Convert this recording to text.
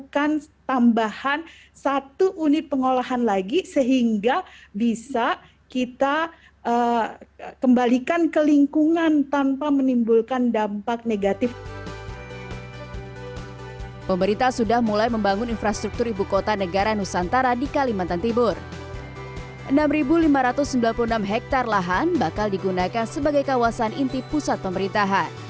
kota ibu kota baru nusantara